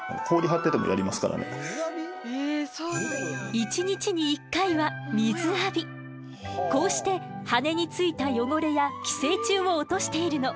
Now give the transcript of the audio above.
一日に１回はこうして羽についた汚れや寄生虫を落としているの。